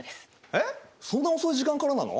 えっそんな遅い時間からなの？